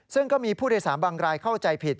ซึ่งก็มีผู้โดยสารบางรายเข้าใจผิด